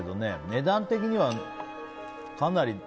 値段的にはかなり。